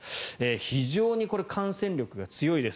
非常に感染力が強いです。